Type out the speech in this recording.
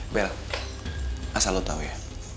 bel asal lo tau ya